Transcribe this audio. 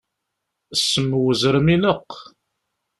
Ssem n uzrem ineqq.